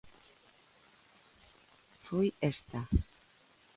Foi esta.